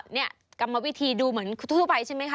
กรรมวิธีดูเหมือนทั่วไปใช่ไหมคะ